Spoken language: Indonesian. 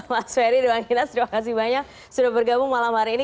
mas ferry bang inas terima kasih banyak sudah bergabung malam hari ini